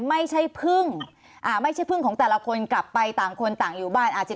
ไม่ใช่พึ่งอ่าไม่ใช่พึ่งของแต่ละคนกลับไปต่างคนต่างอยู่บ้านอาจจะ